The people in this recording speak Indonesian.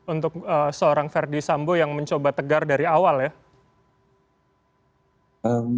untuk seorang verdi sambo yang mencoba tegar dari awal ya